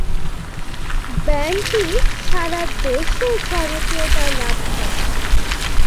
ব্যান্ডটি সারা দেশে জনপ্রিয়তা লাভ করে।